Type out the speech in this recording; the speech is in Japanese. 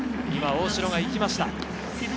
今、大城が行きました。